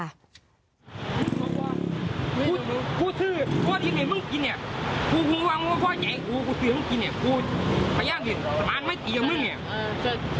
ฮะมึงตีหัวมึงดูในปากมึงแตกเนี่ยมึงดู